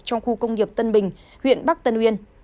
trong khu công nghiệp tân bình huyện bắc tân uyên